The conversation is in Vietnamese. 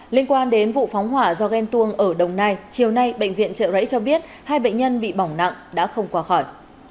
liên quan đến vụ phóng hỏa do ghen tuông ở đồng nai chiều nay bệnh viện trợ rẫy cho biết hai bệnh nhân bị bỏng nặng đã không qua khỏi